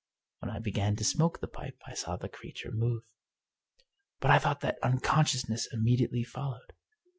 When I began to smoke the pipe I saw the creature move." " But I thought that unconsciousness immediately fol lowed."